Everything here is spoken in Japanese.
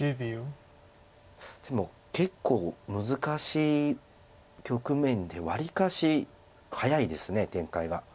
でも結構難しい局面でわりかし早いです展開が。